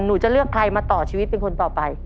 หนูจะเลือกใครมาต่อชีวิตเป็นคนต่อไป